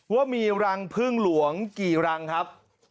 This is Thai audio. ว่ามีรังพึ่งหลวงกี่รังครับ